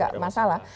jadi itu masalah